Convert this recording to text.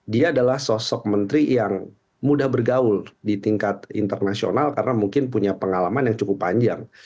dia adalah sosok menteri yang mudah bergaul di tingkat internasional karena mungkin punya pengalaman yang cukup panjang